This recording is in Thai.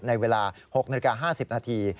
ในเวลา๖นาที๕๐นาที